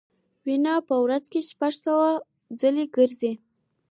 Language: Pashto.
وینه په ورځ شپږ سوه ځلې ګرځي.